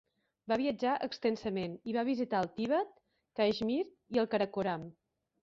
Va viatjar extensament i va visitar el Tibet, Caixmir i el Karakoram.